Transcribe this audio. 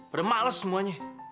padahal males semuanya